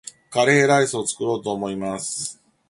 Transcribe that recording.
カレーライスを作ろうと思っています